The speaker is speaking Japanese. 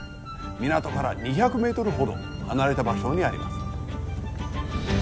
港から２００ｍほど離れた場所にあります。